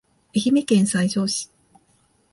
愛媛県西条市